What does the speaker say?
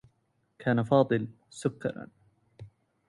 كان فاضل سكرا.